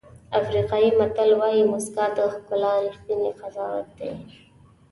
افریقایي متل وایي موسکا د ښکلا ریښتینی قضاوت دی.